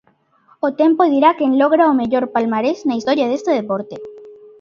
O tempo dirá quen logra o mellor palmarés na historia deste deporte.